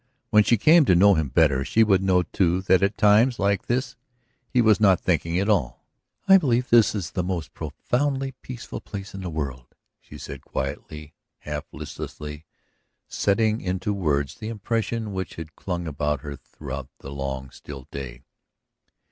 When she came to know him better she would know too that at times like this he was not thinking at all. "I believe this is the most profoundly peaceful place in the world," she said quietly, half listlessly setting into words the impression which had clung about her throughout the long, still day.